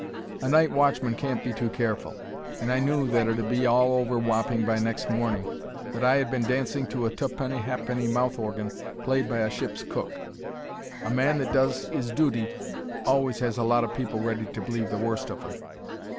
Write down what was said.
A night watchman can't be too careful, and I knew that it 'ud be all over Wapping next morning that I 'ad been dancing to a tuppenny ha'penny mouth orgin played by a ship's cook. A man that does 'is dooty always has a lot of people ready to believe the worst of 'im.